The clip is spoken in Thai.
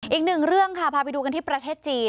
อีกหนึ่งเรื่องค่ะพาไปดูกันที่ประเทศจีน